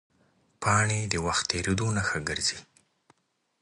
پاڼې د وخت تېرېدو نښه ګرځي